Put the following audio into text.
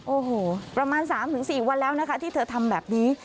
โอ้โหประมาณ๓๔วันแล้วนะคะที่เธอทำแบบนี้